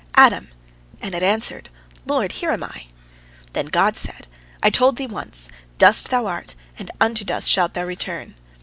Adam!" and it answered, "Lord, here am I!" Then God said: "I told thee once, Dust thou art, and unto dust shalt thou return.